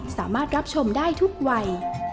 สามารถรับชมได้ทุกวัย